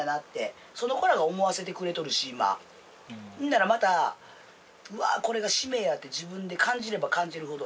ほんならまたうわこれが使命やって自分で感じれば感じるほど。